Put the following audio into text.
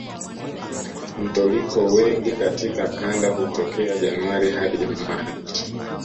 Mtoliko wengi katika kanda hutokea Januari hadi Machi